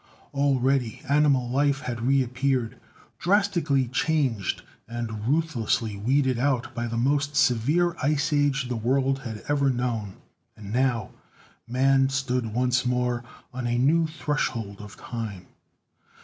Already animal life had reappeared, drastically changed and ruthlessly weeded out by the most severe Ice Age the world had ever known, and now Man stood once more on a new threshold of time.